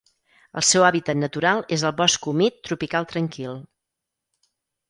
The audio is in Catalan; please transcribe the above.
El seu hàbitat natural és el bosc humit tropical tranquil.